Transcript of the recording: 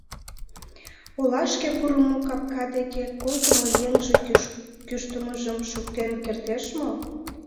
Олашке пурымо капка деке колтымо еҥже кӱштымыжым шуктен кертеш мо?